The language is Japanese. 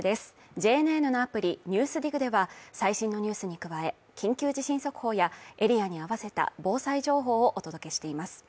ＪＮＮのアプリ「ＮＥＷＳＤＩＧ」では最新のニュースに加え、緊急地震速報やエリアに合わせた防災情報をお届けしています